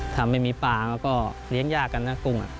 ถ้าไม่มีปลาแล้วก็เลี้ยงยากกันนะกุ้ง